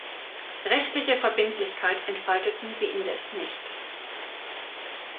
Rechtliche Verbindlichkeit entfalteten sie indes nicht.